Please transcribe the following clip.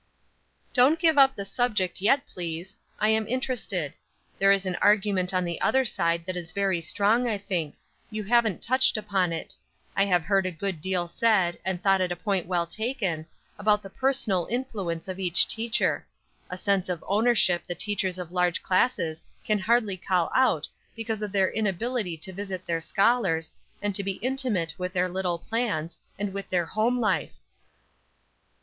"Don't give up the subject yet, please; I am interested. There is an argument on the other side that is very strong, I think. You haven't touched upon it. I have heard a good deal said, and thought it a point well taken, about the personal influence of each teacher. A sense of ownership that teachers of large classes can hardly call out because of their inability to visit their scholars, and to be intimate with their little plans, and with their home life."